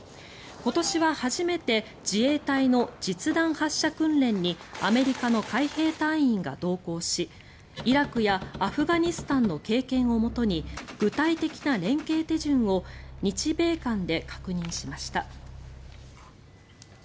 今年は初めて自衛隊の実弾発射訓練にアメリカの海兵隊員が同行しイラクやアフガニスタンの経験をもとに具体的な連携手順を日米間で確認しました。